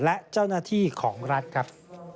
และเจ้าหน้าที่ของรัฐครับ